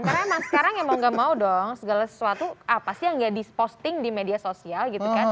karena emang sekarang emang gak mau dong segala sesuatu apa sih yang gak diposting di media sosial gitu kan